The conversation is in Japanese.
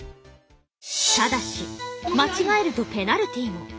ただし間違えるとペナルティーも。